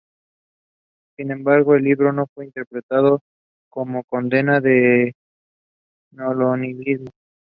Sin embargo, el libro no fue interpretado como una condena del colonialismo.